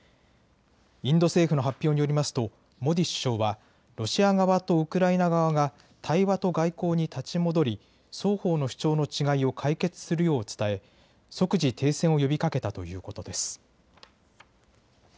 インド政府の発表によりますとモディ首相はロシア側とウクライナ側が対話と外交に立ち戻り、双方の主張の違いを解決するよう伝え、即時停戦を呼びかけたということです。